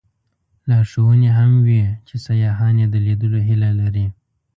لارښوونې هم وې چې سیاحان یې د لیدلو هیله لري.